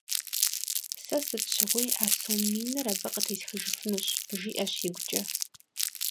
Сэ сыт щыгъуи а сом миныр абы къытесхыжыфынущ, - жиӀэщ игукӀэ.